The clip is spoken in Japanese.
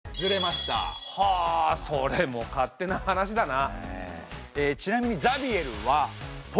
はあそれも勝手な話だな。